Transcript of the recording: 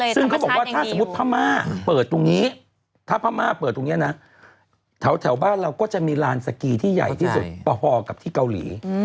ซึ่งเขาบอกว่าถ้าสมมุติพม่าเปิดตรงนี้ถ้าพม่าเปิดตรงนี้นะแถวบ้านเราก็จะมีลานสกีที่ใหญ่ที่สุดพอกับที่เกาหลี